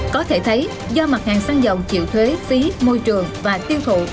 có thể thấy do mặt hàng xăng dầu chịu thuế phí môi trường và tiêu thụ